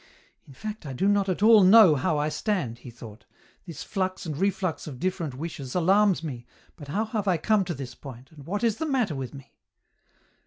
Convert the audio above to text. " In fact I do not at all know how I stand," he thought ;" this flux and reflux of different wishes alarms me, but how have I come to this point, and what is the matter with me